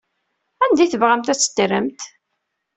Anda ay tebɣamt ad teddremt?